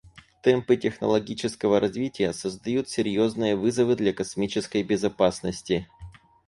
Темпы технологического развития создают серьезные вызовы для космической безопасности.